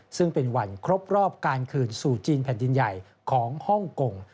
ซึ่งเป็นวันครบรอบการคืนสู่จีนแผ่นดินใหญ่ของฮ่องกง